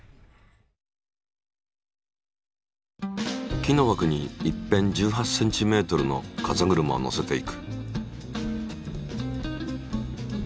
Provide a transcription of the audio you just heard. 木の枠に１辺１８ｃｍの風車を載せていく。